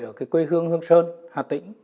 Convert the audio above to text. ở cái quê hương hương sơn hà tĩnh